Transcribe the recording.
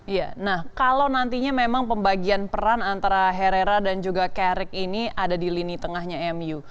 iya nah kalau nantinya memang pembagian peran antara herrera dan juga carrick ini ada di lini tengahnya mu